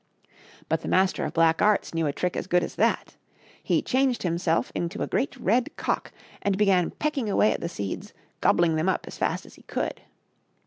But the Master of Black Arts knew a trick as good as that. He changed himself into a great red cock, and began pecking away at the seeds, gobbling them up as fast as he could.